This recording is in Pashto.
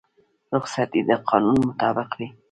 رخصتي د قانون مطابق وي